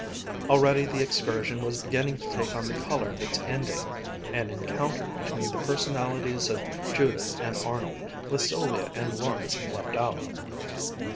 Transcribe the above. Already the excursion was beginning to take on the color of its ending, an encounter between the personalities of Judith and Arnold, with Sylvia and Lawrence left out.